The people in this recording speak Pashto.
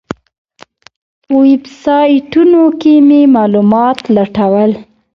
په ویبسایټونو کې مې معلومات لټول.